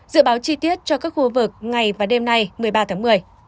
dự báo chi tiết cho các khu vực ngày và đêm nay một mươi ba tháng một mươi